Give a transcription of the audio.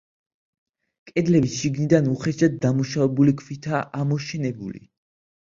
კედლები შიგნიდან უხეშად დამუშავებული ქვითაა ამოშენებული.